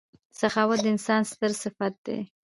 • سخاوت د انسان ستر صفت دی.